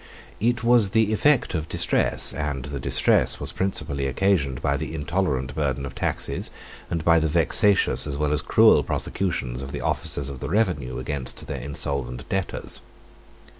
It was the effect of distress; and the distress was principally occasioned by the intolerant burden of taxes, and by the vexatious as well as cruel prosecutions of the officers of the revenue against their insolvent debtors.